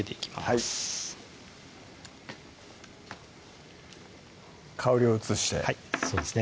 はい香りを移してそうですね